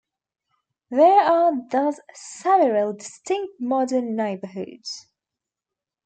There are thus several distinct modern neighborhoods.